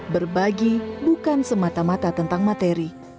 berbagi bukan semata mata tentang materi